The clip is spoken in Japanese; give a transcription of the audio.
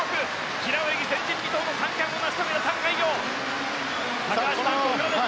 平泳ぎ、前人未到の３冠を成し遂げたタン・カイヨウ。